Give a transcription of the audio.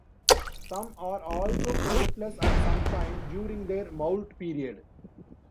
Some are also flightless at some time during their moult period.